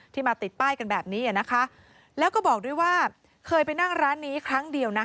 มาติดป้ายกันแบบนี้นะคะแล้วก็บอกด้วยว่าเคยไปนั่งร้านนี้ครั้งเดียวนะ